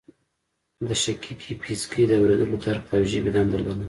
د شقیقې پیڅکی د اوریدلو درک او ژبې دنده لري